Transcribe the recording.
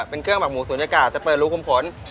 เป็นเครื่องหมักหมูศูนยากาศจะเปิดรูคุมฝน